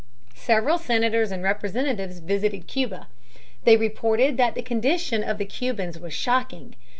Several Senators and Representatives visited Cuba. They reported that the condition of the Cubans was shocking.